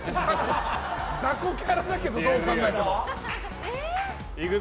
雑魚キャラだけどどう考えても。